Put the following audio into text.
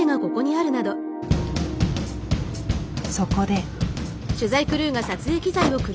そこで。